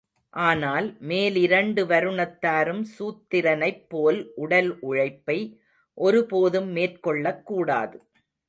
ஆனால் மேலிரண்டு வருணத்தாரும் சூத்திரனைப் போல் உடல் உழைப்பை ஒருபோதும் மேற்கொள்ளக் கூடாது.